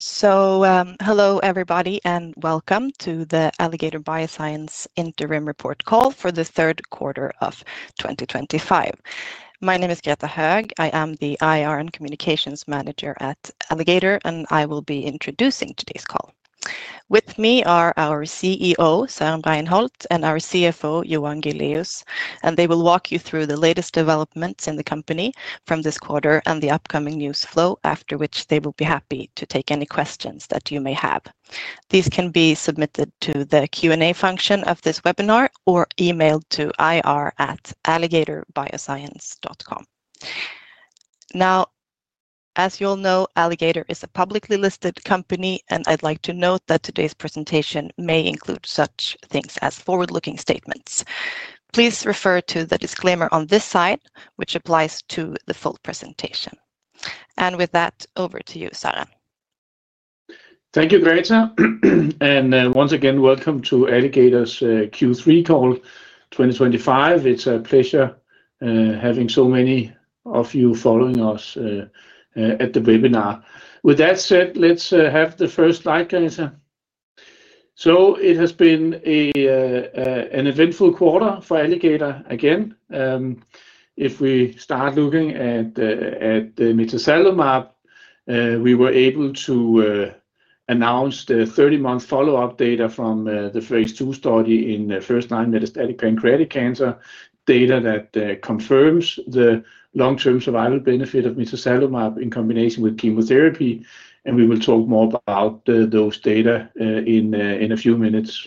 Hello everybody, and welcome to the Alligator Bioscience interim report call for the third quarter of 2025. My name is Greta Höög. I am the IR and Communications Manager at Alligator, and I will be introducing today's call. With me are our CEO, Søren Bregenholt, and our CFO, Johan Giléus. They will walk you through the latest developments in the company from this quarter and the upcoming news flow, after which they will be happy to take any questions that you may have. These can be submitted to the Q&A function of this webinar or emailed to ir@alligatorbioscience.com. As you all know, Alligator is a publicly listed company, and I'd like to note that today's presentation may include such things as forward-looking statements. Please refer to the disclaimer on this side, which applies to the full presentation. With that, over to you, Søren. Thank you, Greta. And once again, welcome to Alligator's Q3 call 2025. It's a pleasure having so many of you following us at the webinar. With that said, let's have the first slide, Greta. It has been an eventful quarter for Alligator again. If we start looking at the mitazalimab, we were able to announce the 30-month follow-up data from the phase II study in first-line metastatic pancreatic cancer, data that confirms the long-term survival benefit of mitazalimab in combination with chemotherapy. We will talk more about those data in a few minutes.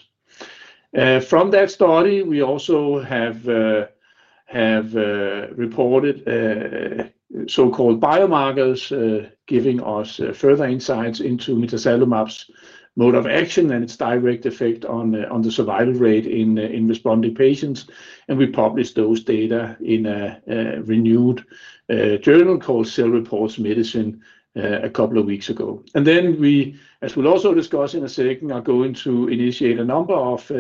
From that study, we also have reported so-called biomarkers giving us further insights into mitazalimab's mode of action and its direct effect on the survival rate in responding patients. We published those data in a renowned journal called Cell Reports Medicine a couple of weeks ago. We, as we'll also discuss in a second, are going to initiate a number of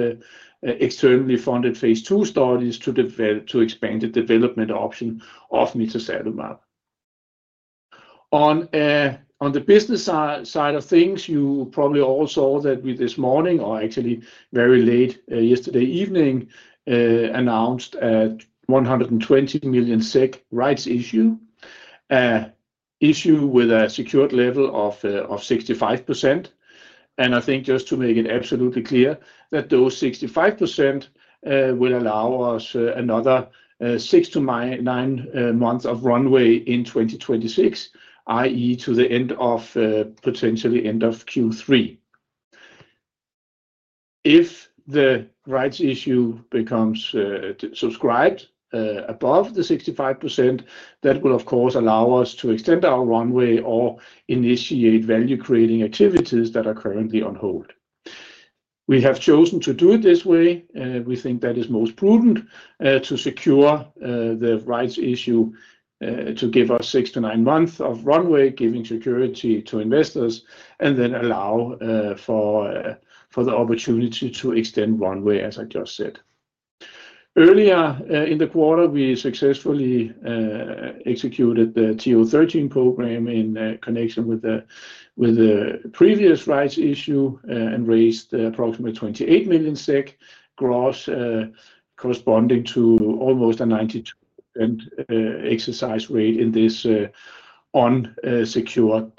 externally funded phase II studies to expand the development option of mitazalimab. On the business side of things, you probably all saw that we this morning, or actually very late yesterday evening, announced a 120 million SEK rights issue, with a secured level of 65%. I think just to make it absolutely clear that those 65% will allow us another six to nine months of runway in 2026, i.e. to the end of potentially end of Q3. If the rights issue becomes subscribed above the 65%, that will of course allow us to extend our runway or initiate value-creating activities that are currently on hold. We have chosen to do it this way. We think that is most prudent to secure the rights issue to give us six to nine months of runway, giving security to investors, and then allow for the opportunity to extend runway, as I just said. Earlier in the quarter, we successfully executed the TO13 program in connection with the previous rights issue and raised approximately 28 million SEK gross, corresponding to almost a 92% exercise rate in this unsecured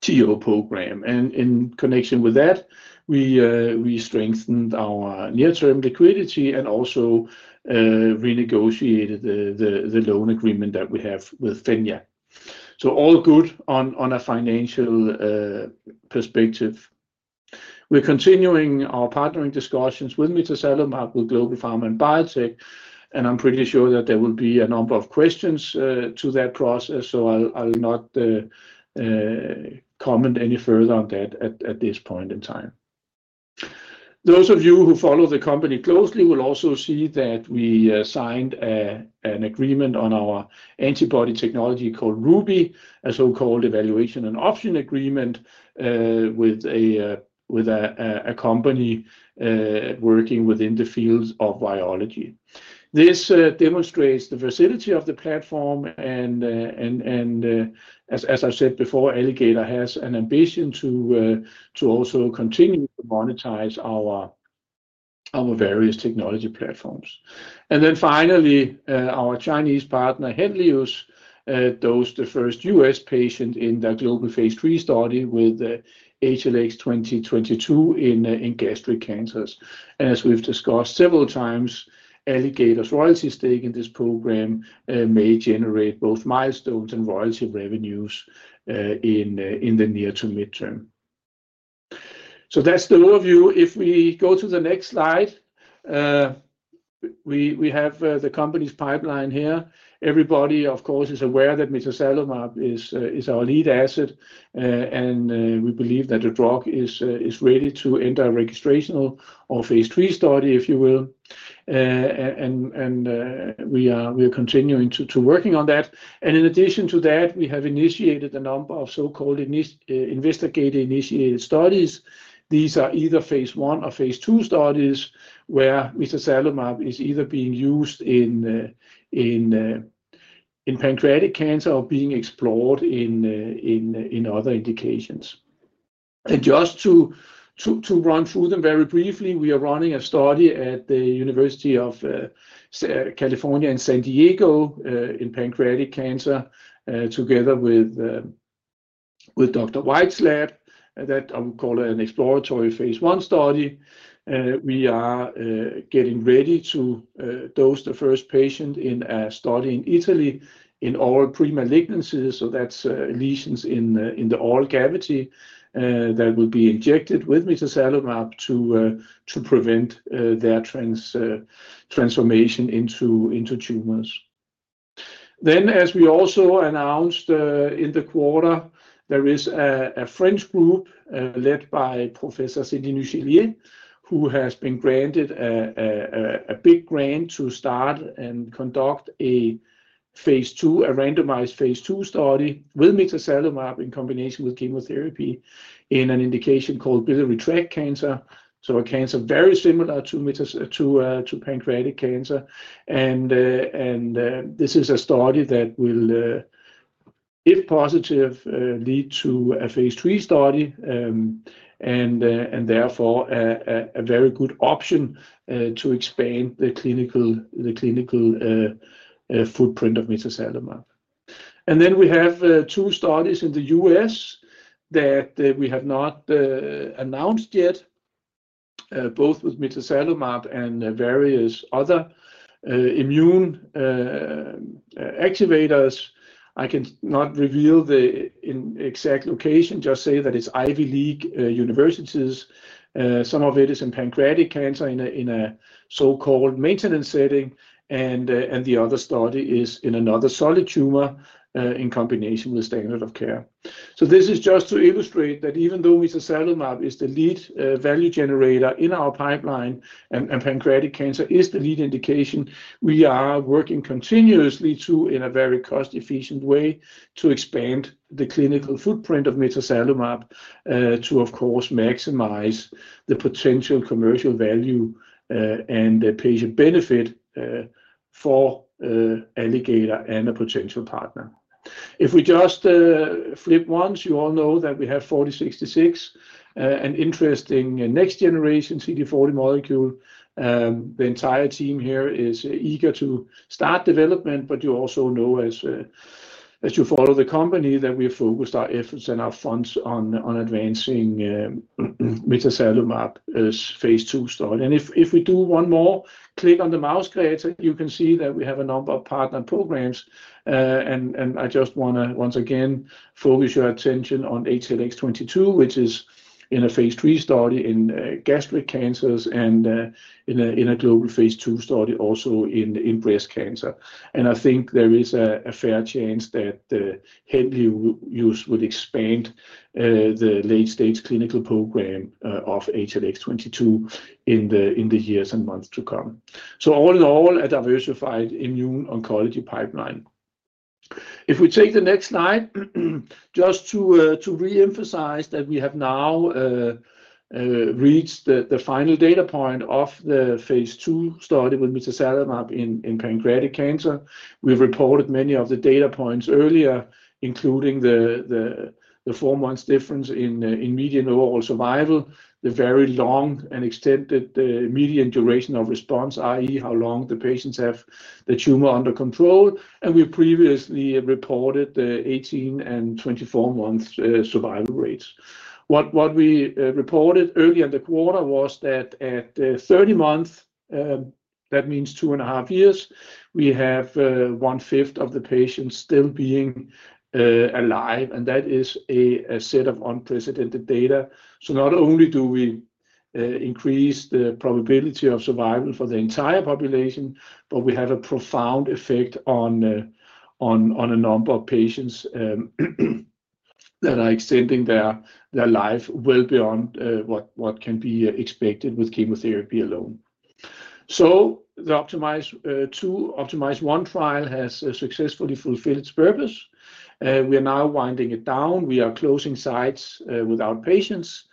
TO program. In connection with that, we strengthened our near-term liquidity and also renegotiated the loan agreement that we have with Fenja Capital. All good on a financial perspective. We're continuing our partnering discussions with mitazalimab, with global pharma and biotech, and I'm pretty sure that there will be a number of questions to that process. I'll not comment any further on that at this point in time. Those of you who follow the company closely will also see that we signed an agreement on our antibody technology called RUBY, a so-called evaluation and option agreement with a company working within the field of biology. This demonstrates the facility of the platform, and as I said before, Alligator has an ambition to also continue to monetize our various technology platforms. Finally, our Chinese partner, Shanghai Henlius Biotech Inc., dosed the first U.S. patient in the global phase III study with HLX22 in gastric cancers. As we've discussed several times, Alligator's royalty stake in this program may generate both milestones and royalty revenues in the near to midterm. That's the overview. If we go to the next slide, we have the company's pipeline here. Everybody, of course, is aware that mitazalimab is our lead asset, and we believe that the drug is ready to enter a registrational or phase III study, if you will. We are continuing to work on that. In addition to that, we have initiated a number of so-called investigator-initiated studies. These are either phase I or phase II studies where mitazalimab is either being used in pancreatic cancer or being explored in other indications. Just to run through them very briefly, we are running a study at the University of California in San Diego in pancreatic cancer together with Dr. White's lab. That I would call an exploratory phase I study. We are getting ready to dose the first patient in a study in Italy in oral premalignancies, so that's lesions in the oral cavity that will be injected with mitazalimab to prevent their transformation into tumors. As we also announced in the quarter, there is a French group led by Professor Cindy Neuzillet, who has been granted a big grant to start and conduct a randomized phase II study with mitazalimab in combination with chemotherapy in an indication called biliary tract cancer, a cancer very similar to pancreatic cancer. This is a study that will, if positive, lead to a phase III study and therefore a very good option to expand the clinical footprint of mitazalimab. We have two studies in the U.S. that we have not announced yet, both with mitazalimab and various other immune activators. I cannot reveal the exact location, just say that it's Ivy League universities. Some of it is in pancreatic cancer in a so-called maintenance setting, and the other study is in another solid tumor in combination with standard of care. This is just to illustrate that even though mitazalimab is the lead value generator in our pipeline and pancreatic cancer is the lead indication, we are working continuously to, in a very cost-efficient way, expand the clinical footprint of mitazalimab to, of course, maximize the potential commercial value and the patient benefit for Alligator and a potential partner. If we just flip once, you all know that we have ATOR-4066, an interesting next-generation CD40 molecule. The entire team here is eager to start development, but you also know, as you follow the company, that we have focused our efforts and our funds on advancing mitazalimab's phase II study. If we do one more click on the mouse cursor, you can see that we have a number of partner programs. I just want to once again focus your attention on HLX22, which is in a phase III study in gastric cancers and in a global phase II study also in breast cancer. I think there is a fair chance that Henlius would expand the late-stage clinical program of HLX22 in the years and months to come. All in all, a diversified immuno-oncology pipeline. If we take the next slide, just to reemphasize that we have now reached the final data point of the phase II study with mitazalimab in pancreatic cancer. We've reported many of the data points earlier, including the four months difference in median overall survival, the very long and extended median duration of response, i.e. how long the patients have the tumor under control. We previously reported the 18 and 24 months survival rates. What we reported early in the quarter was that at 30 months, that means two and a half years, we have one-fifth of the patients still being alive. That is a set of unprecedented data. Not only do we increase the probability of survival for the entire population, but we have a profound effect on a number of patients that are extending their life well beyond what can be expected with chemotherapy alone. The OPTIMIZE-1 trial has successfully fulfilled its purpose. We are now winding it down. We are closing sites without patients,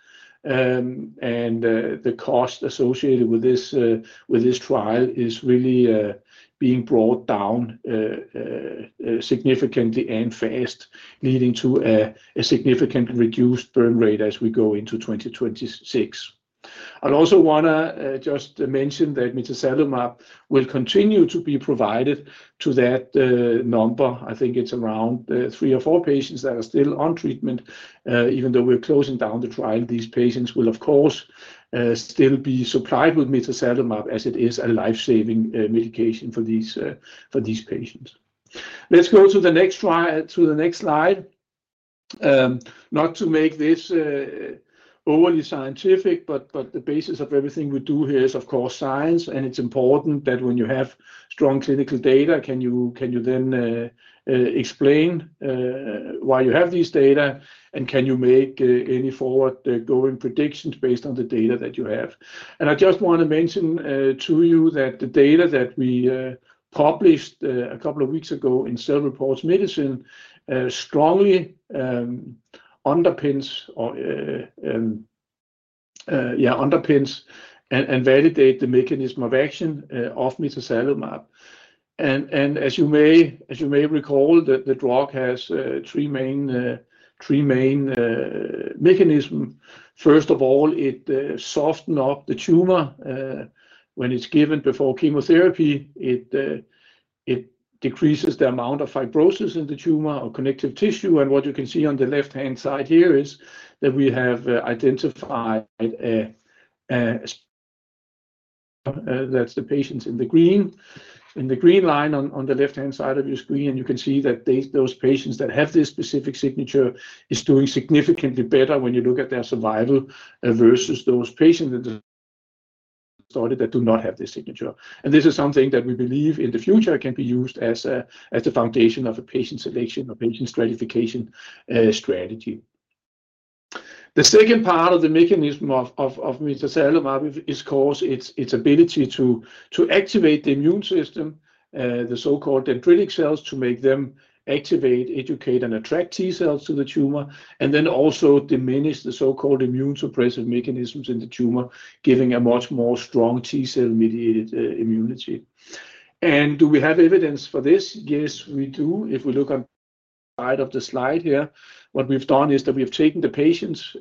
and the cost associated with this trial is really being brought down significantly and fast, leading to a significantly reduced burn rate as we go into 2026. I'd also want to just mention that mitazalimab will continue to be provided to that number. I think it's around three or four patients that are still on treatment. Even though we're closing down the trial, these patients will, of course, still be supplied with mitazalimab as it is a lifesaving medication for these patients. Let's go to the next slide. Not to make this overly scientific, but the basis of everything we do here is, of course, science. It's important that when you have strong clinical data, can you then explain why you have these data and can you make any forward-going predictions based on the data that you have? I just want to mention to you that the data that we published a couple of weeks ago in Cell Reports Medicine strongly underpins and validates the mechanism of action of mitazalimab. As you may recall, the drug has three main mechanisms. First of all, it softens up the tumor when it's given before chemotherapy. It decreases the amount of fibrosis in the tumor or connective tissue. What you can see on the left-hand side here is that we have identified that's the patients in the green line on the left-hand side of your screen. You can see that those patients that have this specific signature are doing significantly better when you look at their survival versus those patients in the study that do not have this signature. This is something that we believe in the future can be used as the foundation of a patient selection or patient stratification strategy. The second part of the mechanism of mitazalimab is, of course, its ability to activate the immune system, the so-called dendritic cells, to make them activate, educate, and attract T cells to the tumor, and then also diminish the so-called immune suppressive mechanisms in the tumor, giving a much more strong T cell-mediated immunity. Do we have evidence for this? Yes, we do. If we look on the side of the slide here, what we've done is that we have taken the patients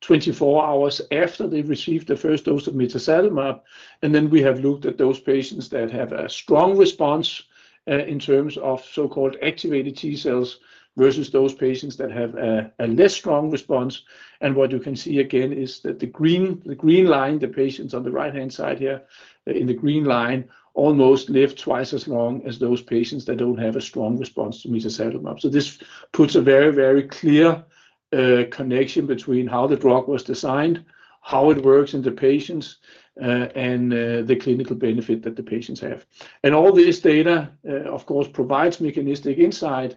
24 hours after they've received the first dose of mitazalimab. Then we have looked at those patients that have a strong response in terms of so-called activated T cells versus those patients that have a less strong response. What you can see again is that the green line, the patients on the right-hand side here in the green line, almost live twice as long as those patients that don't have a strong response to mitazalimab. This puts a very, very clear connection between how the drug was designed, how it works in the patients, and the clinical benefit that the patients have. All this data, of course, provides mechanistic insight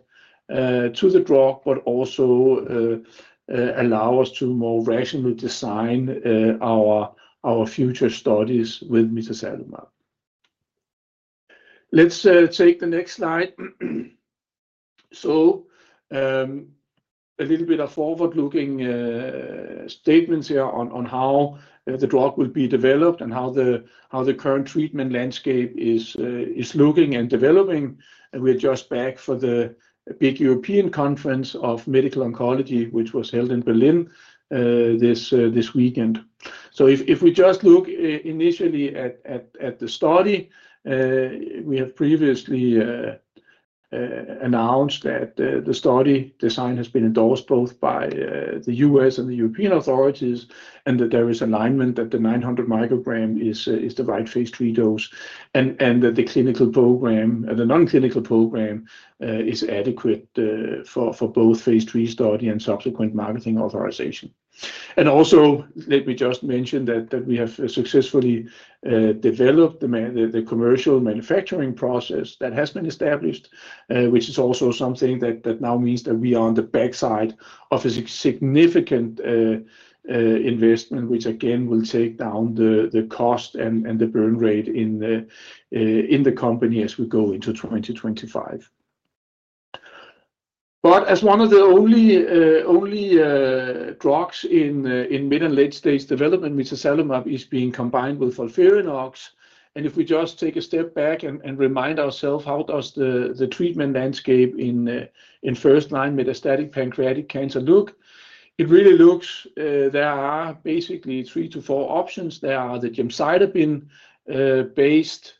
to the drug, but also allows us to more rationally design our future studies with mitazalimab. Let's take the next slide. A little bit of forward-looking statements here on how the drug will be developed and how the current treatment landscape is looking and developing. We are just back from the big European conference of medical oncology, which was held in Berlin this weekend. If we just look initially at the study, we have previously announced that the study design has been endorsed both by the U.S. and the European authorities, and that there is alignment that the 900 microgram is the right phase III dose, and that the clinical program, the non-clinical program, is adequate for both phase III study and subsequent marketing authorization. Let me just mention that we have successfully developed the commercial manufacturing process that has been established, which is also something that now means that we are on the backside of a significant investment, which again will take down the cost and the burn rate in the company as we go into 2025. As one of the only drugs in mid and late-stage development, mitazalimab is being combined with FOLFIRINOX. If we just take a step back and remind ourselves how the treatment landscape in first-line metastatic pancreatic cancer looks, there are basically three to four options. There are the gemcitabine-based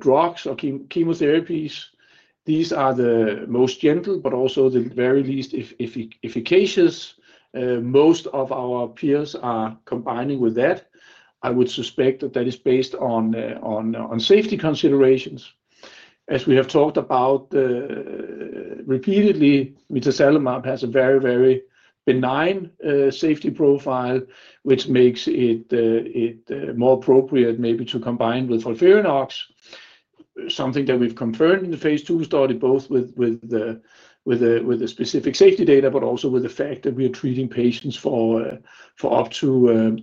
drugs or chemotherapies. These are the most gentle, but also the very least efficacious. Most of our peers are combining with that. I would suspect that is based on safety considerations. As we have talked about repeatedly, mitazalimab has a very, very benign safety profile, which makes it more appropriate maybe to combine with FOLFIRINOX, something that we've confirmed in the phase II study, both with the specific safety data, but also with the fact that we are treating patients for up to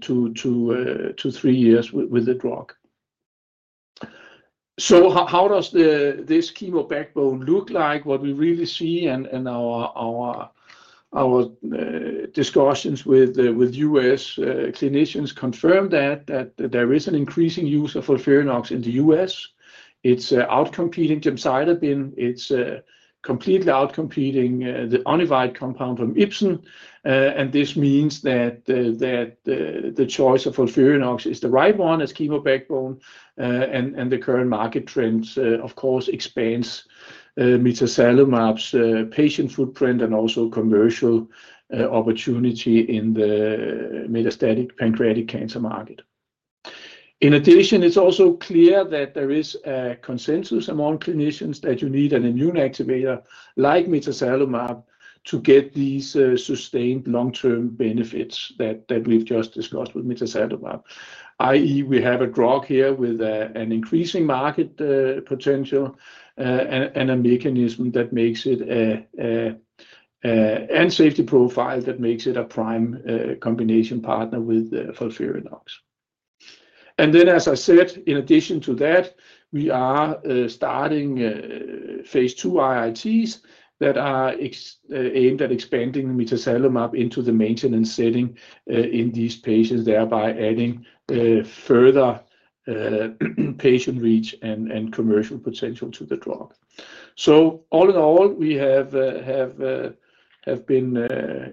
three years with the drug. How does this chemo backbone look like? What we really see, and our discussions with U.S. clinicians confirm, is that there is an increasing use of FOLFIRINOX in the U.S. It's outcompeting gemcitabine. It's completely outcompeting the onivite compound from Ipsen. This means that the choice of FOLFIRINOX is the right one as chemo backbone. The current market trend, of course, expands mitazalimab's patient footprint and also commercial opportunity in the metastatic pancreatic cancer market. In addition, it's also clear that there is a consensus among clinicians that you need an immune activator like mitazalimab to get these sustained long-term benefits that we've just discussed with mitazalimab. I.e., we have a drug here with an increasing market potential and a mechanism that makes it a safety profile that makes it a prime combination partner with FOLFIRINOX. In addition to that, we are starting phase II investigator-initiated phase I and II studies that are aimed at expanding the mitazalimab into the maintenance setting in these patients, thereby adding further patient reach and commercial potential to the drug. All in all, we have been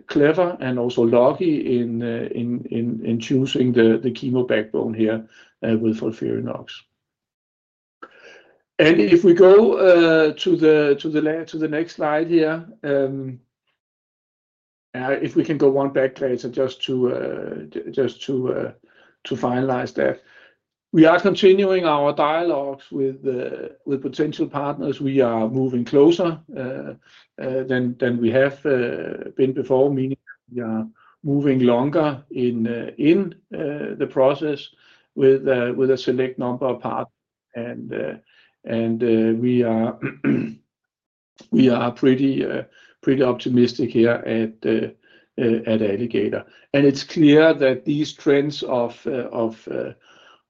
clever and also lucky in choosing the chemo backbone here with FOLFIRINOX. If we go to the next slide here, if we can go one back, Greta, just to finalize that. We are continuing our dialogues with potential partners. We are moving closer than we have been before, meaning we are moving longer in the process with a select number of partners. We are pretty optimistic here at Alligator. It's clear that these trends of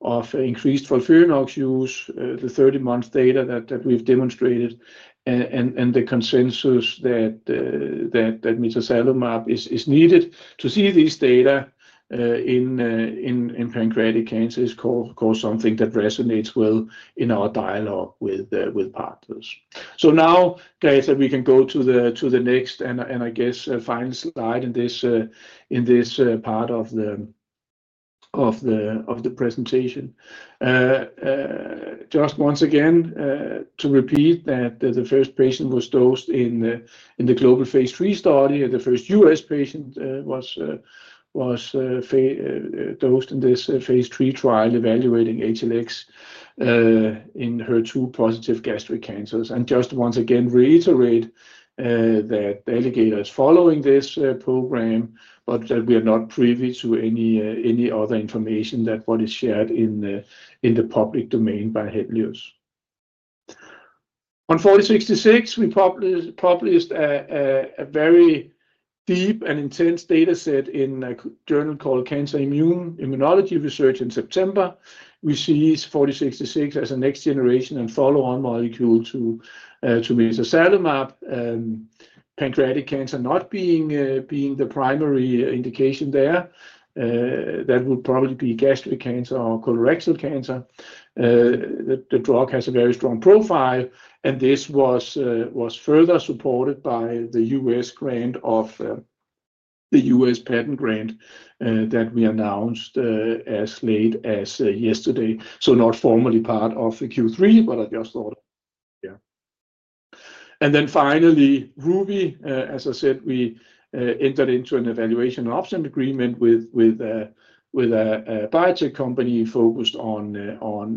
increased FOLFIRINOX use, the 30 months data that we've demonstrated, and the consensus that mitazalimab is needed to see these data in pancreatic cancer is, of course, something that resonates well in our dialogue with partners. Now, Greta, we can go to the next and, I guess, final slide in this part of the presentation. Just once again, to repeat that the first patient was dosed in the global phase III study, and the first U.S. patient was dosed in this phase III trial evaluating HLX22 in HER2-positive gastric cancers. Just once again, reiterate that Alligator is following this program, but that we are not privy to any other information than what is shared in the public domain by Henlius. On ATOR-4066, we published a very deep and intense dataset in a journal called Cancer Immunology Research in September, which sees ATOR-4066 as a next-generation and follow-on molecule to mitazalimab. Pancreatic cancer not being the primary indication there, that would probably be gastric cancer or colorectal cancer, the drug has a very strong profile. This was further supported by the U.S. patent grant that we announced as late as yesterday. Not formally part of the Q3, but I just thought of it. Finally, RUBY bispecific antibody platform, as I said, we entered into an evaluation and option agreement with a biotech company focused on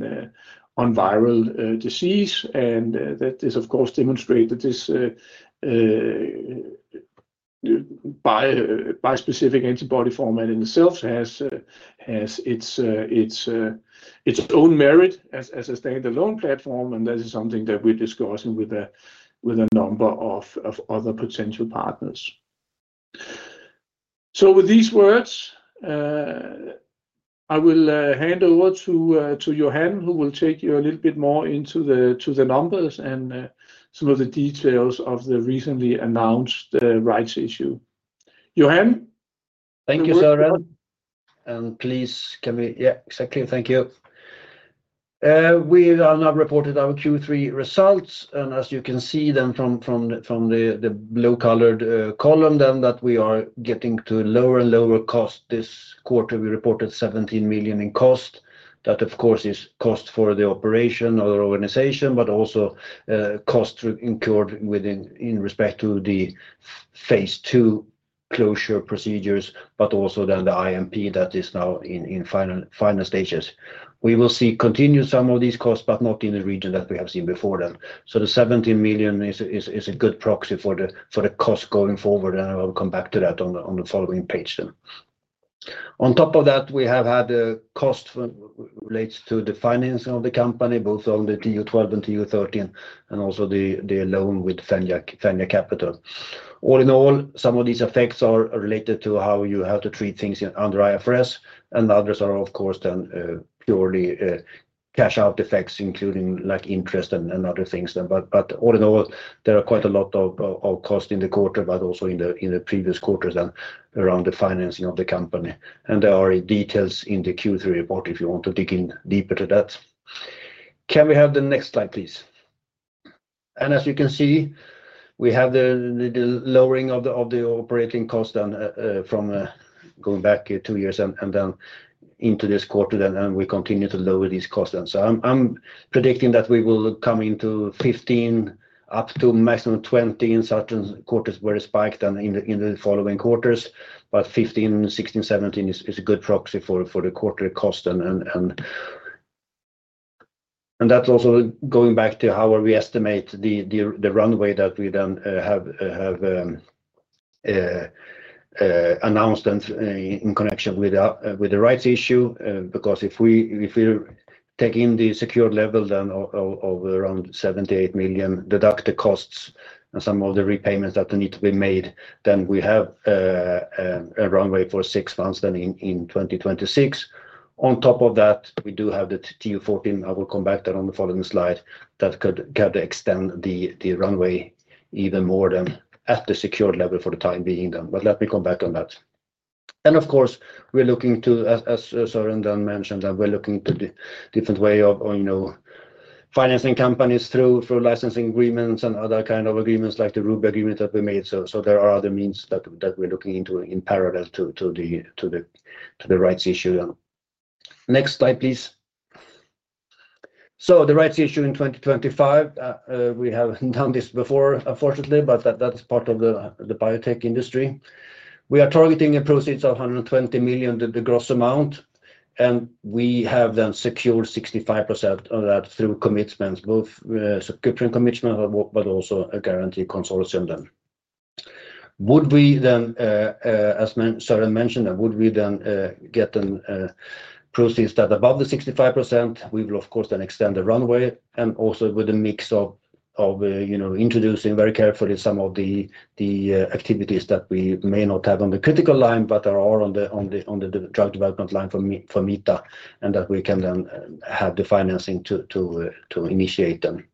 viral disease. This bispecific antibody format in itself has its own merit as a standalone platform. That is something that we're discussing with a number of other potential partners. With these words, I will hand over to Johan, who will take you a little bit more into the numbers and some of the details of the recently announced rights issue. Johan? Thank you, Søren. Please, can we, yeah, exactly. Thank you. We have now reported our Q3 results. As you can see from the blue-colored column, we are getting to lower and lower costs this quarter. We reported 17 million in cost. That, of course, is cost for the operation of the organization, but also costs incurred with respect to the phase II closure procedures, and the IMP that is now in final stages. We will continue to see some of these costs, but not in the region that we have seen before. The 17 million is a good proxy for the cost going forward. I'll come back to that on the following page. On top of that, we have had the cost related to the financing of the company, both on the TO12 and TO13, and also the loan with Fenja Capital. All in all, some of these effects are related to how you have to treat things under IFRS. The others are, of course, purely cash-out effects, including interest and other things. All in all, there are quite a lot of costs in the quarter, and also in the previous quarters and around the financing of the company. There are details in the Q3 report if you want to dig in deeper to that. Can we have the next slide, please? As you can see, we have the lowering of the operating costs from going back two years and then into this quarter. We continue to lower these costs. I'm predicting that we will come into 15 million up to maximum 20 million in certain quarters where it spiked and in the following quarters. 15 million, 16 million, 17 million is a good proxy for the quarter cost. That's also going back to how we estimate the runway that we have announced in connection with the rights issue. If we take in the secured level of around 78 million, deduct the costs and some of the repayments that need to be made, we have a runway for six months in 2026. On top of that, we do have the TO14. I will come back to that on the following slide. That could extend the runway even more than at the secured level for the time being. Let me come back on that. Of course, as Søren mentioned, we're looking to a different way of financing companies through licensing agreements and other kinds of agreements like the RUBY agreement that we made. There are other means that we're looking into in parallel to the rights issue. Next slide, please. The rights issue in 2025, we have done this before, unfortunately, but that's part of the biotech industry. We are targeting proceeds of 120 million to the gross amount. We have then secured 65% of that through commitments, both securing commitments, but also a guarantee consortium. Would we then, as Søren mentioned, get proceeds above the 65%? We will, of course, then extend the runway and also with a mix of introducing very carefully some of the activities that we may not have on the critical line, but that are on the drug development line for mitazalimab and that we can then have the financing to initiate them.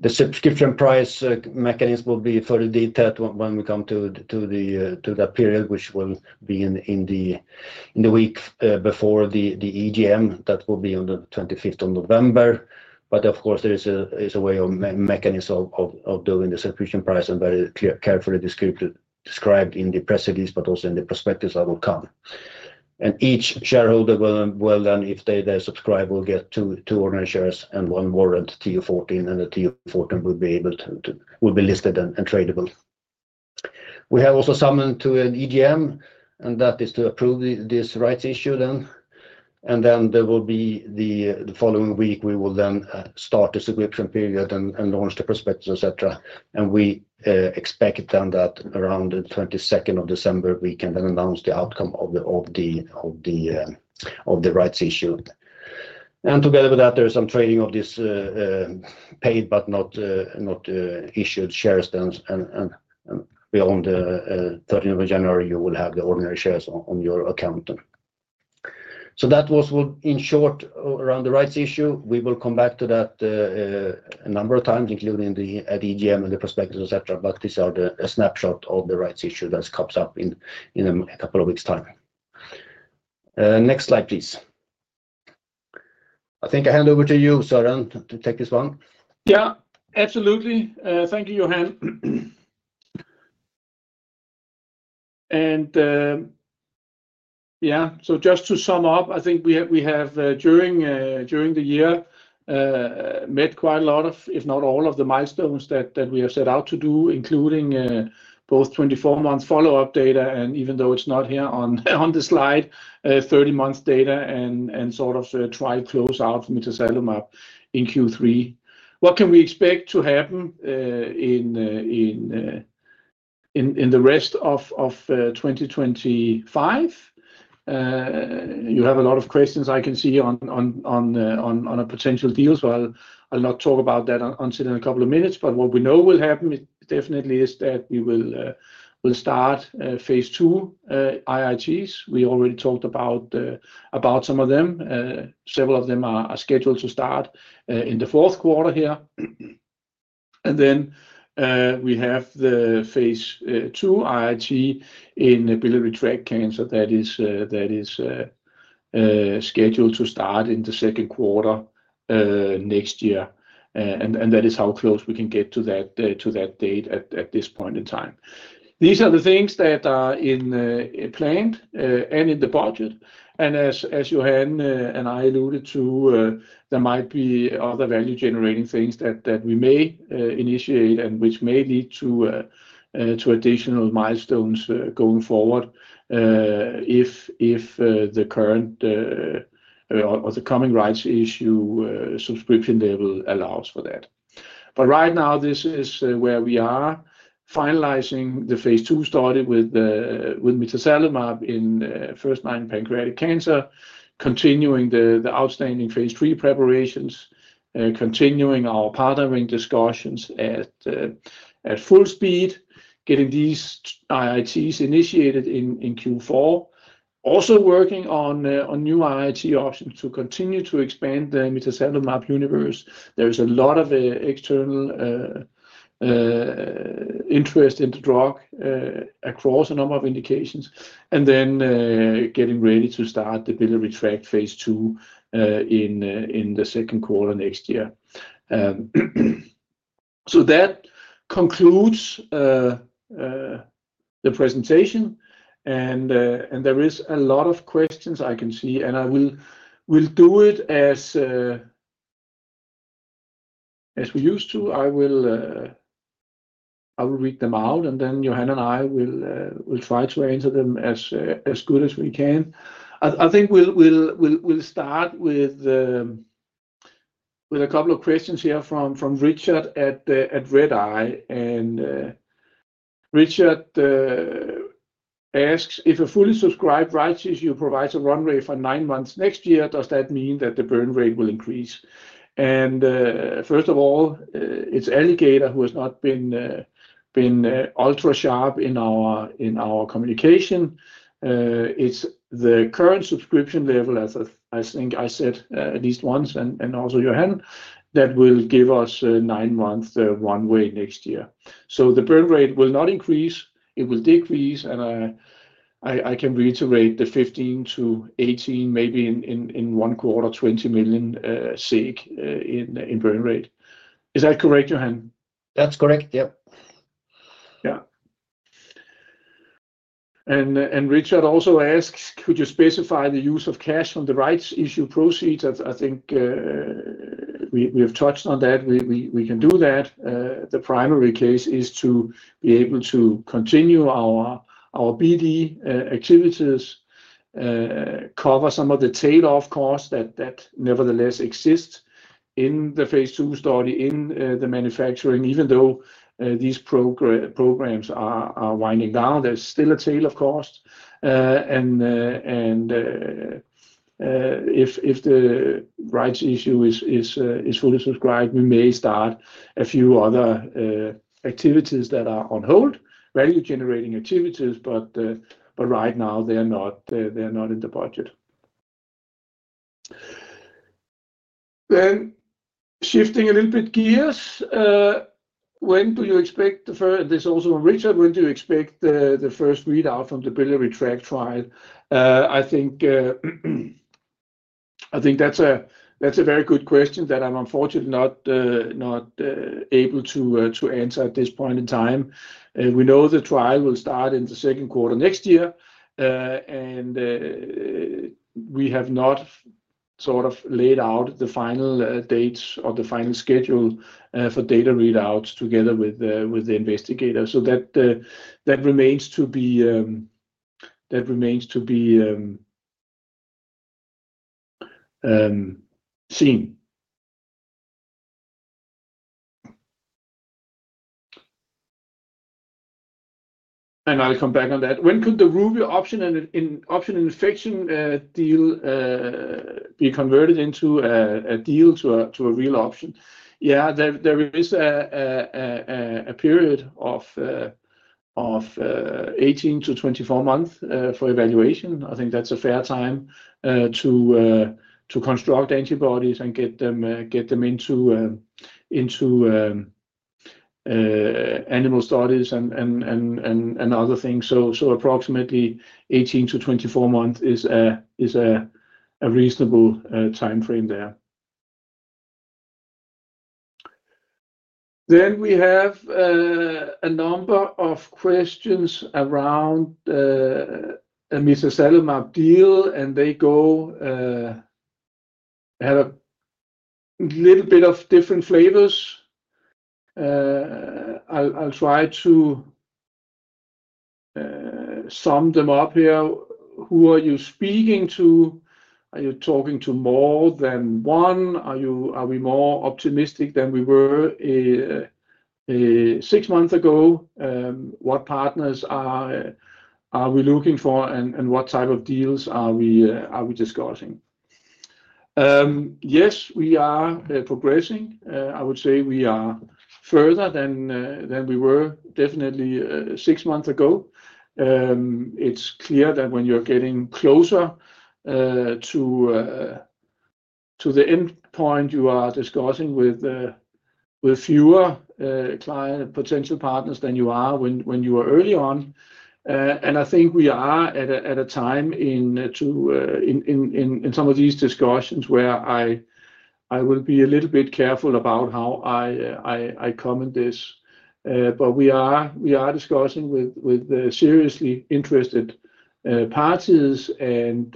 The subscription price mechanism will be further detailed when we come to that period, which will be in the week before the EGM. That will be on the 25th of November. There is a way or mechanism of doing the subscription price and it is very carefully described in the press release, but also in the prospectus that will come. Each shareholder will then, if they subscribe, get two ordinary shares and one warrant TO14, and the TO14 will be able to be listed and tradable. We have also summoned to an EGM, and that is to approve this rights issue. The following week, we will then start the subscription period and launch the prospectus, etc. We expect that around the 22nd of December, we can then announce the outcome of the rights issue. Together with that, there is some trading of these paid but not issued shares. Beyond the 13th of January, you will have the ordinary shares on your account. That was in short around the rights issue. We will come back to that a number of times, including at EGM and the prospectus, etc. These are the snapshots of the rights issue that comes up in a couple of weeks' time. Next slide, please. I think I hand over to you, Søren, to take this one. Yeah, absolutely. Thank you, Johan. Just to sum up, I think we have during the year met quite a lot of, if not all of the milestones that we have set out to do, including both 24-month follow-up data, and even though it's not here on the slide, 30-month data and sort of trial closeout mitazalimab in Q3. What can we expect to happen in the rest of 2025? You have a lot of questions I can see on a potential deal. I'll not talk about that unless in a couple of minutes. What we know will happen definitely is that we will start phase II IITs. We already talked about some of them. Several of them are scheduled to start in the fourth quarter here. We have the phase II IIT in biliary tract cancer that is scheduled to start in the second quarter next year. That is how close we can get to that date at this point in time. These are the things that are planned and in the budget. As Johan and I alluded to, there might be other value-generating things that we may initiate and which may lead to additional milestones going forward if the current or the coming rights issue subscription level allows for that. Right now, this is where we are, finalizing the phase II study with mitazalimab in first-line metastatic pancreatic cancer, continuing the outstanding phase III preparations, continuing our partnering discussions at full speed, getting these IITs initiated in Q4, also working on new IIT options to continue to expand the mitazalimab universe. There is a lot of external interest in the drug across a number of indications. Getting ready to start the biliary tract phase II in the second quarter next year. That concludes the presentation. There are a lot of questions I can see. I will do it as we used to. I will read them out, and then Johan and I will try to answer them as good as we can. I think we'll start with a couple of questions here from Richard at Red Eye. Richard asks, "If a fully subscribed rights issue provides a runway for nine months next year, does that mean that the burn rate will increase?" First of all, it's Alligator who has not been ultra-sharp in our communication. It's the current subscription level, as I think I said at least once, and also Johan, that will give us a nine-month runway next year. The burn rate will not increase. It will decrease. I can reiterate the 15 to 18, maybe in one quarter, 20 million SEK in burn rate. Is that correct, Johan? That's correct, yeah. Yeah. Richard also asks, "Could you specify the use of cash on the rights issue proceeds?" I think we have touched on that. We can do that. The primary case is to be able to continue our BD activities, cover some of the tail-off costs that nevertheless exist in the phase II study in the manufacturing. Even though these programs are winding down, there's still a tail of cost. If the rights issue is fully subscribed, we may start a few other activities that are on hold, value-generating activities, but right now, they're not in the budget. Shifting a little bit of gears, when do you expect the first, and this is also from Richard, when do you expect the first readout from the biliary tract trial? I think that's a very good question that I'm unfortunately not able to answer at this point in time. We know the trial will start in the second quarter next year. We have not sort of laid out the final dates or the final schedule for data readouts together with the investigator. That remains to be seen. I'll come back on that. "When could the RUBY option and infection deal be converted into a deal to a real option?" There is a period of 18 to 24 months for evaluation. I think that's a fair time to construct antibodies and get them into animal studies and other things. Approximately 18 to 24 months is a reasonable timeframe there. We have a number of questions around the mitazalimab deal, and they have a little bit of different flavors. I'll try to sum them up here. Who are you speaking to? Are you talking to more than one? Are we more optimistic than we were six months ago? What partners are we looking for, and what type of deals are we discussing? Yes, we are progressing. I would say we are further than we were definitely six months ago. It's clear that when you're getting closer to the end point, you are discussing with fewer potential partners than you are when you were early on. I think we are at a time in some of these discussions where I will be a little bit careful about how I comment this. We are discussing with seriously interested parties, and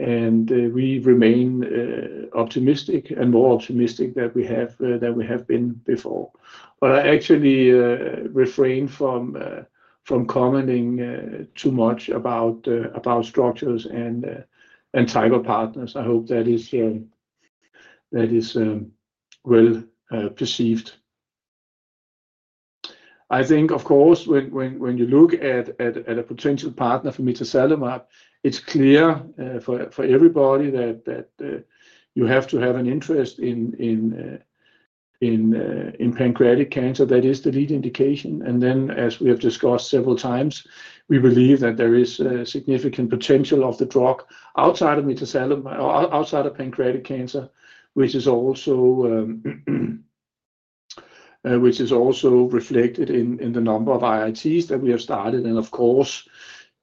we remain optimistic and more optimistic than we have been before. I actually refrain from commenting too much about structures and type of partners. I hope that is well perceived. I think, of course, when you look at a potential partner for mitazalimab, it's clear for everybody that you have to have an interest in pancreatic cancer. That is the lead indication. As we have discussed several times, we believe that there is significant potential of the drug outside of pancreatic cancer, which is also reflected in the number of IITs that we have started.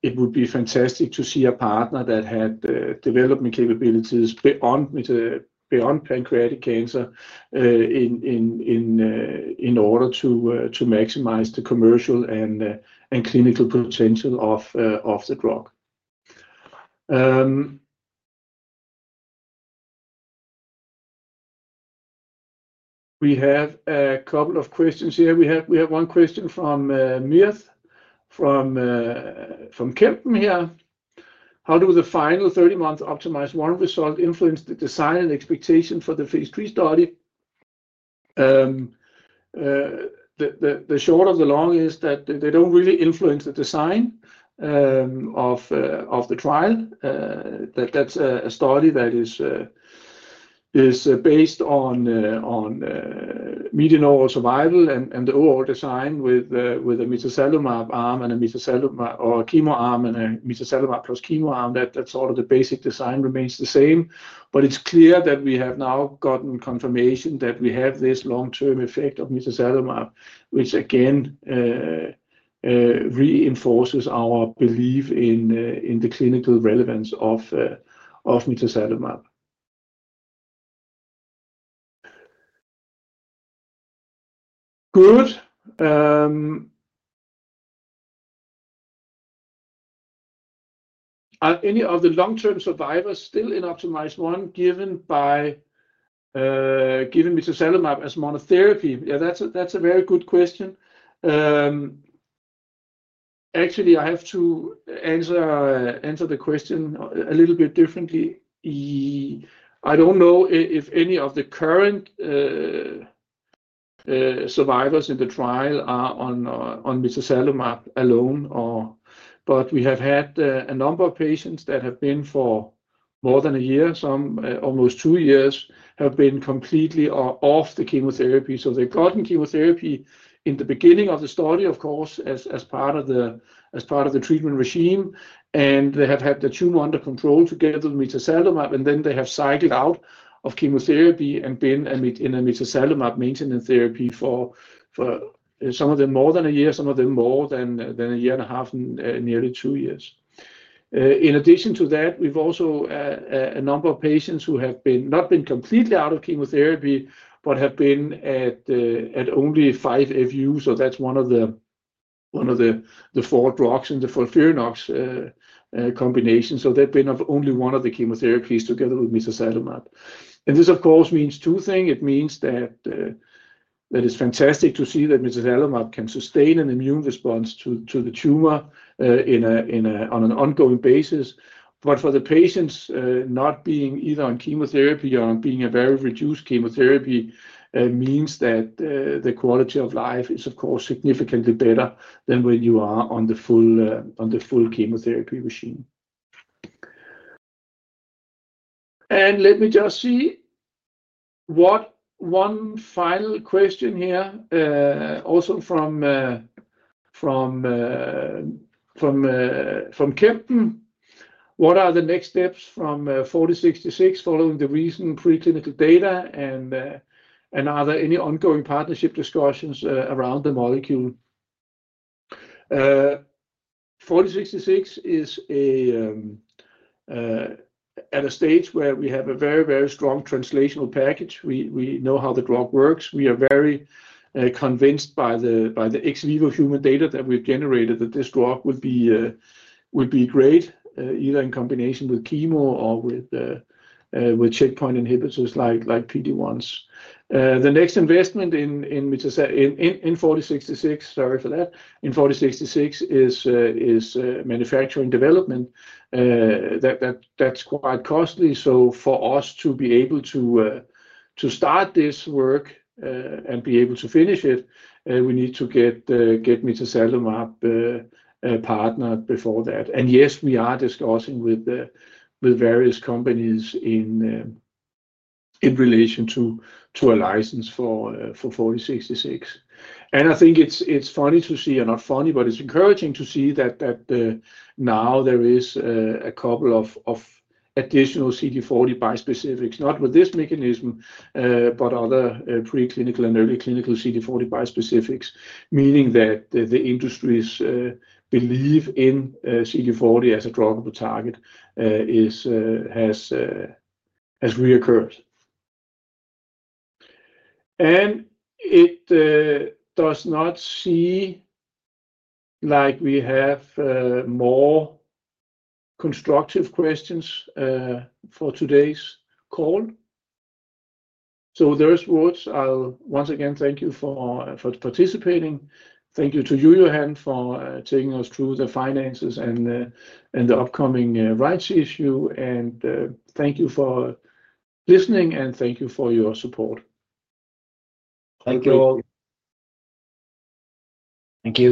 It would be fantastic to see a partner that had development capabilities beyond pancreatic cancer in order to maximize the commercial and clinical potential of the drug. We have a couple of questions here. We have one question from Mirth from Kempen: "How do the final 30-month OPTIMIZE-1 warrant result influence the design and expectation for the phase III study?" The short of the long is that they don't really influence the design of the trial. That's a study that is based on median overall survival and the overall design with a mitazalimab arm and a mitazalimab or a chemo arm and a mitazalimab plus chemo arm. That sort of basic design remains the same. It's clear that we have now gotten confirmation that we have this long-term effect of mitazalimab, which again reinforces our belief in the clinical relevance of mitazalimab. "Are any of the long-term survivors still in OPTIMIZE-1 given mitazalimab as monotherapy?" That's a very good question. Actually, I have to answer the question a little bit differently. I don't know if any of the current survivors in the trial are on mitazalimab alone. We have had a number of patients that have been for more than a year, some almost two years, have been completely off the chemotherapy. They have gotten chemotherapy in the beginning of the study, of course, as part of the treatment regime. They have had the tumor under control together with mitazalimab. They have cycled out of chemotherapy and been in a mitazalimab maintenance therapy for some of them more than a year, some of them more than a year and a half, nearly two years. In addition to that, we've also had a number of patients who have not been completely out of chemotherapy, but have been at only 5-FU. That's one of the four drugs in the FOLFIRINOX combination. They've been on only one of the chemotherapies together with mitazalimab. This, of course, means two things. It means that it's fantastic to see that mitazalimab can sustain an immune response to the tumor on an ongoing basis. For the patients not being either on chemotherapy or being on a very reduced chemotherapy, it means that the quality of life is, of course, significantly better than when you are on the full chemotherapy regimen. Let me just see what one final question here, also from Kempen. "What are the next steps for ATOR-4066 following the recent preclinical data, and are there any ongoing partnership discussions around the molecule?" ATOR-4066 is at a stage where we have a very, very strong translational package. We know how the drug works. We are very convinced by the ex vivo human data that we've generated that this drug will be great, either in combination with chemo or with checkpoint inhibitors like PD-1s. The next investment in ATOR-4066 is manufacturing development. That's quite costly. For us to be able to start this work and be able to finish it, we need to get mitazalimab partnered before that. Yes, we are discussing with various companies in relation to a license for ATOR-4066. I think it's funny to see, or not funny, but it's encouraging to see that now there are a couple of additional CD40 bispecifics, not with this mechanism, but other preclinical and early clinical CD40 bispecifics, meaning that the industry’s belief in CD40 as a drug target has reoccurred. It does not seem like we have more constructive questions for today's call. With those words, I'll once again thank you for participating. Thank you to you, Johan, for taking us through the finances and the upcoming rights issue. Thank you for listening, and thank you for your support. Thank you all. Thank you.